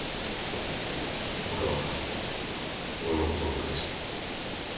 部下は俺のことを見下してる。